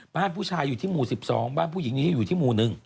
บ้านผู้ชายอยู่ที่หมู่๑๒บ้านผู้หญิงนี้อยู่ที่หมู่๑